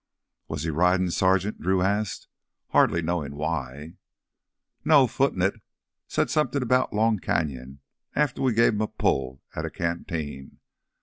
"Was he ridin', Sergeant?" Drew asked, hardly knowing why. "No—footin' it. Said somethin' about Long Canyon after we gave him a pull at a canteen.